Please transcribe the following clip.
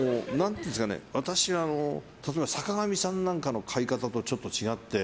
私、例えば坂上さんなんかの買い方とちょっと違って。